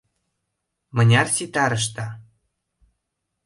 — Мыняр ситарышда?